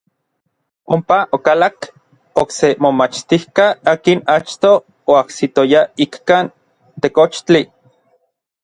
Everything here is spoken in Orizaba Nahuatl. Ompa okalak n okse momachtijka akin achtoj oajsitoya ikkan tekochtli.